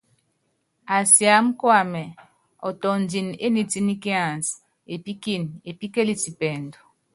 Asiámá kuamɛ ɔtɔndini é niitníkiansɛ, epíkini epíkeliti pɛɛndu.